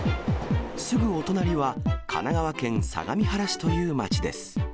すぐお隣は神奈川県相模原市という街です。